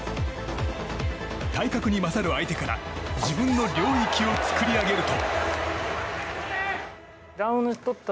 体格に勝る相手から自分の領域を作り上げると。